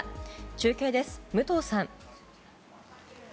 中継です、武藤さん。